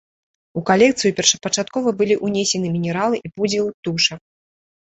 У калекцыю першапачаткова былі ўнесены мінералы і пудзілы птушак.